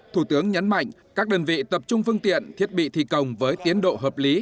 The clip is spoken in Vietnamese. thủ tướng nhấn mạnh các đơn vị tập trung phương tiện thiết bị thi công với tiến độ hợp lý